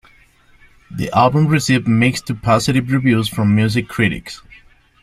The album received mixed-to-positive reviews from music critics.